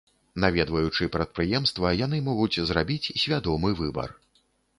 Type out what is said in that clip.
Наведваючы прадпрыемства, яны могуць зрабіць свядомы выбар.